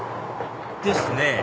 ですね